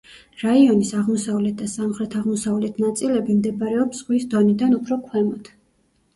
რაიონის აღმოსავლეთ და სამხრეთ-აღმოსავლეთ ნაწილები მდებარეობს ზღვის დონიდან უფრო ქვემოთ.